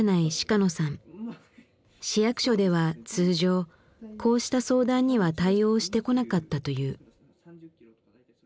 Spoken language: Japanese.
市役所では通常こうした相談には対応してこなかったという。